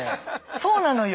そうなのよ